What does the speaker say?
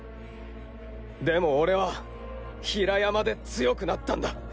でも俺は比良山で強くなったんだ。